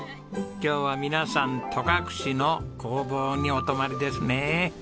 今日は皆さん戸隠の工房にお泊まりですね。